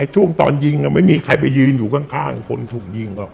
ช่วงตอนยิงไม่มีใครไปยืนอยู่ข้างคนถูกยิงหรอก